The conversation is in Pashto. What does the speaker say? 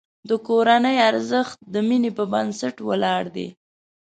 د کورنۍ ارزښت د مینې په بنسټ ولاړ دی.